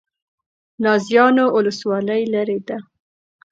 نازیانو ولسوالۍ لیرې ده؟